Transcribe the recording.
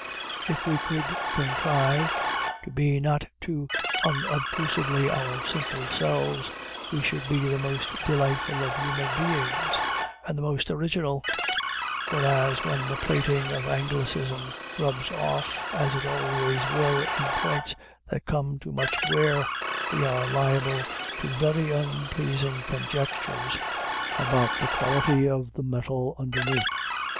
If we could contrive to be not too unobtrusively our simple selves, we should be the most delightful of human beings, and the most original; whereas, when the plating of Anglicism rubs off, as it always will in points that come to much wear, we are liable to very unpleasing conjectures about the quality of the metal underneath.